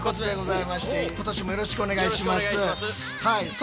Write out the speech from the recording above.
はい。